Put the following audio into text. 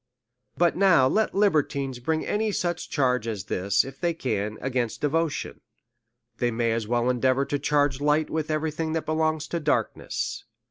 But now let libertines bring any such charge as this, if they can, against devotion. They may as well endeavour to charge light with every thing that belongs to dark ness.